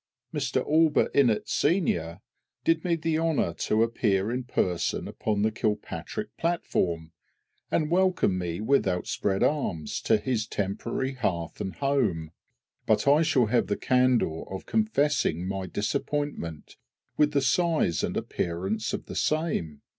Mr ALLBUTT INNETT, sen., did me the honour to appear in person upon the Kilpaitrick platform, and welcome me with outspread arms to his temporary hearth and home, but I shall have the candour of confessing my disappointment with the size and appearance of the same.